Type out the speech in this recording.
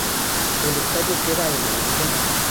El estadio queda en Av.